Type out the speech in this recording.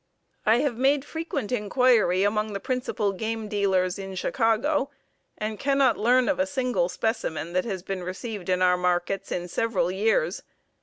I have made frequent inquiry among the principal game dealers in Chicago and cannot learn of a single specimen that has been received in our markets in several years.